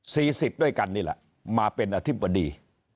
สิบด้วยกันนี่แหละมาเป็นอธิบดี